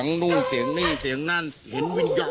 ประโยมดิ